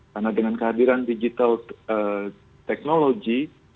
karena dengan kehadiran digital technology